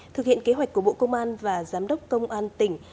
thực hiện kế hoạch của bộ công an và giám đốc công an tỉnh